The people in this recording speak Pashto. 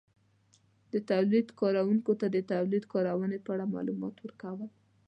-د تولید کارونکو ته د تولید کارونې په اړه مالومات ورکول